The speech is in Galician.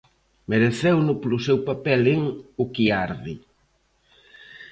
Mereceuno polo seu papel en "O que arde".